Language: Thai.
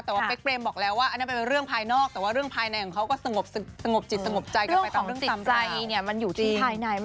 แต่ว่าเป๊กเปรมบอกแล้วว่าอันนั้นเป็นเรื่องภายนอกแต่ว่าเรื่องภายในของเขาก็สงบสงบจิตสงบใจกันไปต่อเรื่องทำสาม